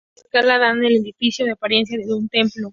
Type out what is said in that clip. Su volumetría y escala dan al edificio la apariencia de un templo.